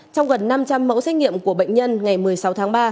trong gần năm trăm linh mẫu xét nghiệm của bệnh nhân ngày một mươi sáu tháng ba